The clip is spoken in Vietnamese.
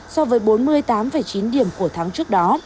so với bốn mươi tám chín điểm của tháng trước đó